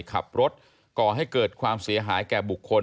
ขับรถก่อให้เกิดความเสียหายแก่บุคคล